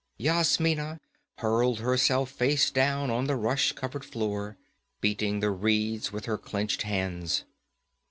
Yasmina hurled herself face down on the rush covered floor, beating the reeds with her clenched hands.